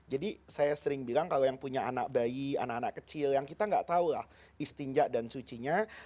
jadi saya sering bilang kalau yang punya anak bayi anak anak kecil yang kita gak tau lah istinjak dan sucinya